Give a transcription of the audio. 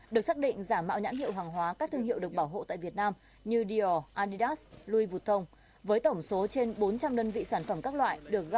được xác định giảm mạo nhãn hiệu hàng hóa các thương hiệu được bảo hộ tại việt nam như dior adidas louis vuitton